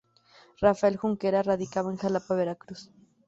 Rafael Junquera radicaba en Xalapa, Veracruz.